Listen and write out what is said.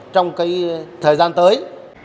trong cái thời gian tới